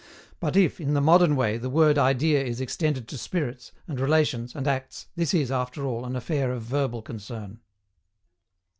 But if, in the modern way, the word idea is extended to spirits, and relations, and acts, this is, after all, an affair of verbal concern.